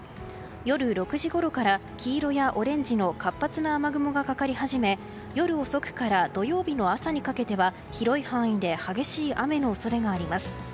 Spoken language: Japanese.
夜６時ごろから黄色やオレンジの活発な雨雲がかかり始め夜遅くから土曜日の朝にかけては広い範囲で激しい雨の恐れがあります。